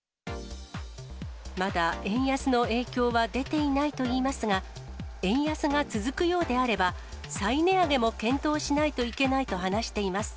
まだ円安の影響は出ていないといいますが、円安が続くようであれば、再値上げも検討しないといけないと話しています。